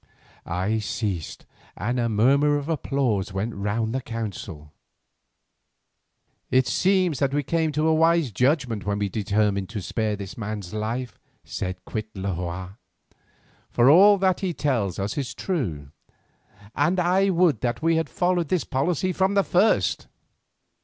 I ceased, and a murmur of applause went round the council. "It seems that we came to a wise judgment when we determined to spare this man's life," said Cuitlahua, "for all that he tells us is true, and I would that we had followed this policy from the first.